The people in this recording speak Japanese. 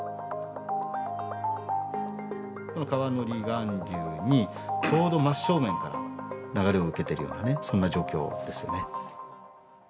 川の離岸流にちょうど真正面から流れを受けているようなねそんな状況ですよね。